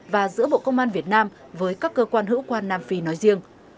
và giữa bộ công an việt nam với các cơ quan hữu quan nam phi nói riêng